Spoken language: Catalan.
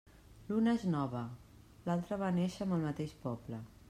L'una és nova, l'altra va néixer amb el mateix poble.